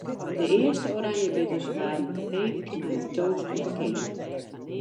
De earste oranjebitters waarden heefd mei in toast op 'e koaning.